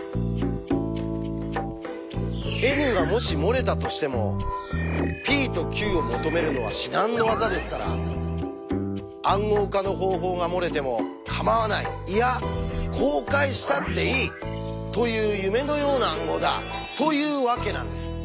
Ｎがもし漏れたとしてもｐとｑを求めるのは至難の業ですから「暗号化の方法」が漏れてもかまわないいや公開したっていい！という夢のような暗号だというわけなんです。